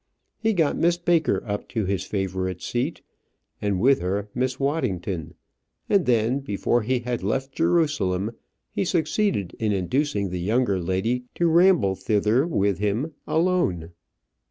He got Miss Baker up to his favourite seat, and with her Miss Waddington; and then, before he had left Jerusalem, he succeeded in inducing the younger lady to ramble thither with him alone.